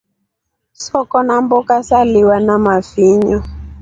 Soko na mboka saliwa na mafinyo.